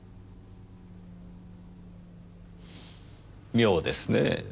妙ですねぇ。